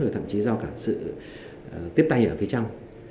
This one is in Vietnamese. và thậm chí do cả sự tiếp tay ở phía trong